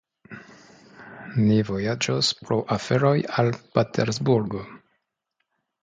Ni vojaĝos pro aferoj al Patersburgo.